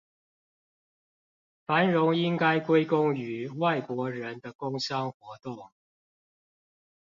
繁榮應該歸功於外國人的工商活動